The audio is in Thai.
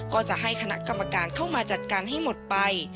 ก็จะให้คณะกรรมการเข้ามาจัดการให้หมดไป